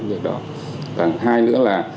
việc đó càng hai nữa là